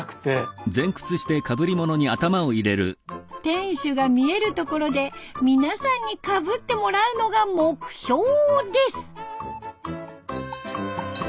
天守が見える所で皆さんにかぶってもらうのが目標です。